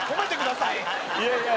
いやいや。